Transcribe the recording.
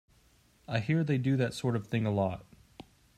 I hear they do that sort of thing a lot.